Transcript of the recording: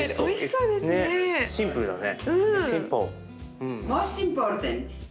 シンプルだね。